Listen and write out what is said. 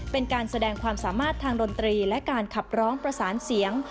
เป็นการแสดงความสามารถทางดนตรีและการขับร้องประสานเสียง